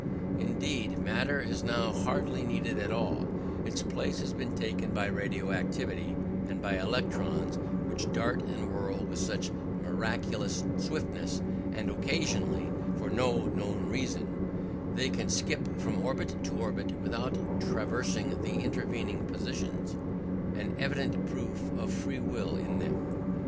Indeed, matter is now hardly needed at all; its place has been taken by radio activity, and by electrons which dart and whirl with such miraculous swiftness, that occasionally, for no known reason, they can skip from orbit to orbit without traversing the intervening positions an evident proof of free will in them.